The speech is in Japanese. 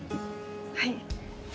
はい。